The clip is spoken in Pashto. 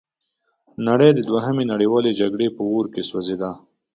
نړۍ د دوهمې نړیوالې جګړې په اور کې سوځیده.